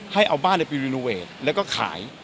ให้เอาบ้านไปรีโนเวทแล้วก็ขาย